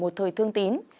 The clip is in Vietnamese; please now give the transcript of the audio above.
một thời thương tín